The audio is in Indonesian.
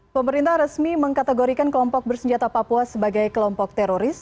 pemerintah resmi mengkategorikan kelompok bersenjata papua sebagai kelompok teroris